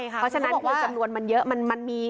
เพราะฉะนั้นคือจำนวนมันเยอะ